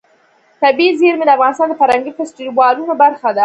طبیعي زیرمې د افغانستان د فرهنګي فستیوالونو برخه ده.